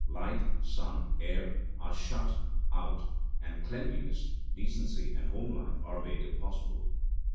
Light, sun, air are shut out, and cleanliness, decency, and home life are made impossible.